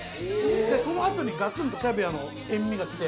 その後にガツンとキャビアの塩味が来て。